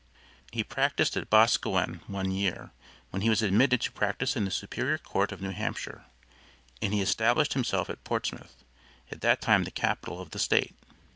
He practiced at Boscawen one year, when he was admitted to practice in the Superior Court of New Hampshire, and he established himself at Portsmouth, at that time the capital of the State.